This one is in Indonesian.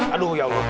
aduh ya allah